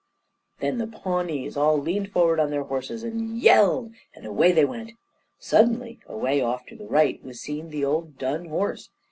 Then the Pawnees all leaned forward on their horses and yelled, and away they went. Suddenly, away off to the right, was seen the old dun horse.